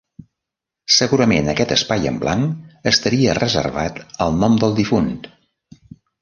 Segurament aquest espai en blanc estaria reservat al nom del difunt.